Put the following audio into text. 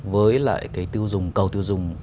với lại cầu tiêu dùng